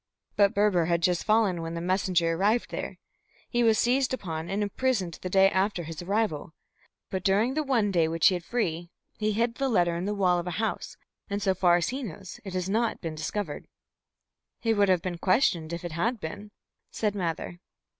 But Berber had just fallen when the messenger arrived there. He was seized upon and imprisoned the day after his arrival. But during the one day which he had free he hid the letter in the wall of a house, and so far as he knows it has not been discovered." "He would have been questioned if it had been," said Mather.